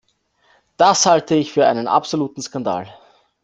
Das halte ich für einen absoluten Skandal.